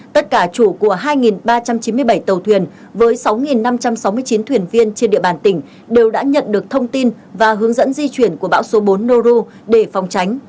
tất cả chủ của hai ba trăm chín mươi bảy tàu thuyền với sáu năm trăm sáu mươi chín thuyền viên trên địa bàn tỉnh đều đã nhận được thông tin và hướng dẫn di chuyển của bão số bốn noru để phòng tránh